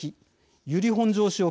由利本荘市沖